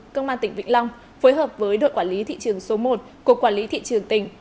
công an tỉnh vĩnh long phối hợp với đội quản lý thị trường số một của quản lý thị trường tỉnh